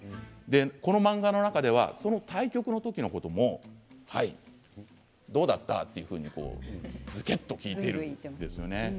この漫画の中ではその対局の時のこともどうだった？とずけっと聞いているんですよね。